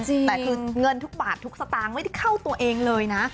แต่คือเงินทุกบาททุกสตางค์ไม่ได้เข้าตัวเองเลยนะ